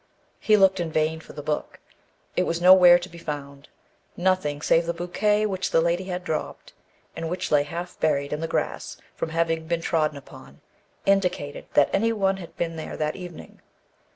He looked in vain for the book; it was nowhere to be found: nothing save the bouquet which the lady had dropped, and which lay half buried in the grass from having been trodden upon, indicated that any one had been there that evening.